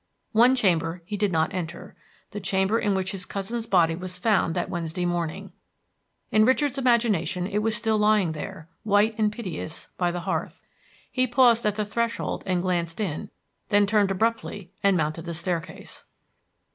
One chamber he did not enter, the chamber in which his cousin's body was found that Wednesday morning. In Richard's imagination it was still lying there, white and piteous, by the hearth. He paused at the threshold and glanced in; then turned abruptly and mounted the staircase.